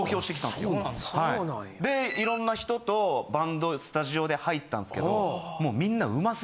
そうなんや。でいろんな人とバンドスタジオで入ったんですけど。